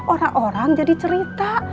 orang orang jadi cerita